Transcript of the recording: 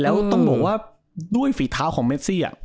แล้วต้องบอกว่าด้วยฝีเท้าของเมซี่